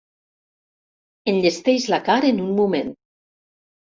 Enllesteix la carn en un moment.